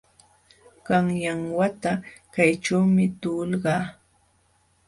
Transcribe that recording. Qanyan wata kayćhuumi tuhulqaa.